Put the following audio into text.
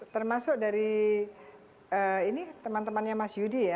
termasuk dari teman temannya mas yudi ya